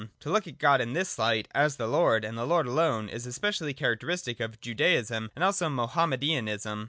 To look at God in this light, as the Lord, and the Lord alone, is especially character istic of Judaism and also of Mohammedanism.